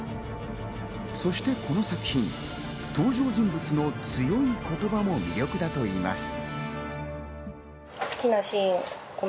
そしてこの作品、登場人物の強い言葉も魅力だといいます。